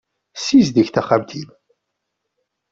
Ssizdeg taxxamt-im.